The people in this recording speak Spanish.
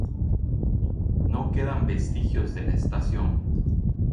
No quedan vestigios de la estación.